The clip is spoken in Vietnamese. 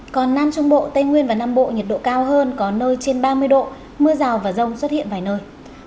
còn nam trung bộ tây nguyên và nam bộ nhiệt độ cao hơn có nơi trên ba mươi độ mưa rào và rông xuất hiện vài nơi